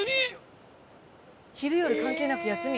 昼夜関係なく休み。